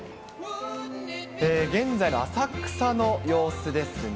現在の浅草の様子ですね。